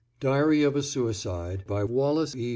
Diary of a Suicide By Wallace E.